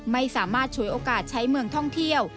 ไม่สามารถฉวยโอกาสใช้เมืองท่องเที่ยว